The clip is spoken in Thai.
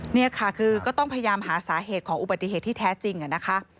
นี่ค่ะคือก็ต้องพยายามหาสาเหตุของอุบัติเหตุที่แท้จริงนะคะ